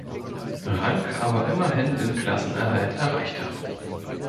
Rang aber immerhin den Klassenerhalt erreichte.